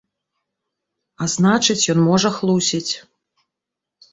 А значыць, ён можа хлусіць.